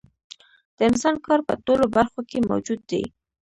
د انسان کار په ټولو برخو کې موجود دی